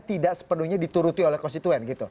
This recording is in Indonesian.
tidak sepenuhnya dituruti oleh konstituen gitu